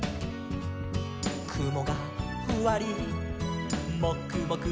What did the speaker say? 「くもがふわりもくもくもくも」